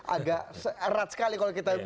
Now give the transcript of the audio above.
agak erat sekali kalau kita